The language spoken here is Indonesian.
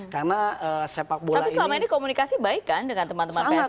tapi selama ini komunikasi baik kan dengan teman teman psi